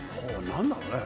何だろうね。